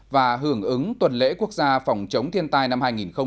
và hưởng ứng tuần lễ quốc gia phòng chống thiên tai năm hai nghìn một mươi chín